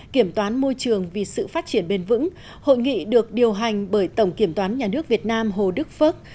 kiểm toán môi trường vì sự phát triển bền vững hội nghị được điều hành bởi tổng kiểm toán nhà nước việt nam hồ đức phước